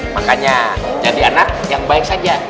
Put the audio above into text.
makanya jadi anak yang baik saja